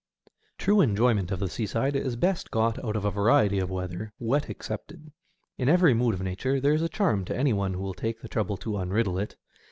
True enjoyment of the seaside is best got out of a variety of weather, wet excepted. In every mood of nature there is a charm to any one who will take the trouble to unriddle it.